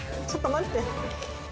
ちょっと待って。